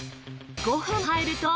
５分も入ると。